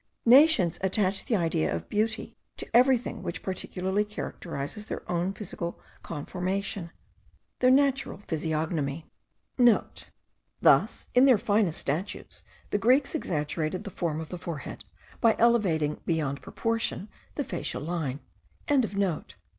Nations attach the idea of beauty to everything which particularly characterizes their own physical conformation, their national physiognomy.* (* Thus, in their finest statues, the Greeks exaggerated the form of the forehead, by elevating beyond proportion the facial line.)